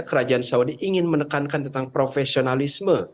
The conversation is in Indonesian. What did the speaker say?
kerajaan saudi ingin menekankan tentang profesionalisme